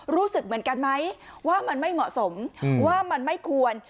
รู้สึกเหมือนกันไหมว่ามันไม่เหมาะสมว่ามันไม่ควร